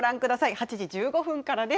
８時１５分からです。